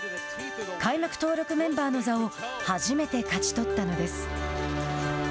開幕登録メンバーの座を初めて勝ち取ったのです。